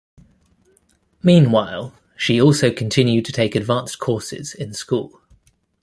Meanwhile, she also continued to take advanced courses in school.